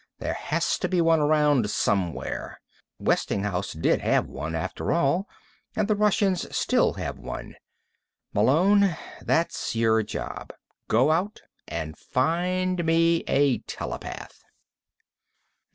There has to be one around somewhere. Westinghouse did have one, after all, and the Russians still have one. Malone, that's your job: go out and find me a telepath."